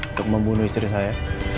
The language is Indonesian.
untuk membunuh istri saya